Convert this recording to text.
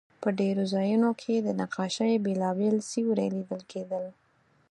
په ډېرو ځایونو کې د نقاشۍ بېلابېل سیوري لیدل کېدل.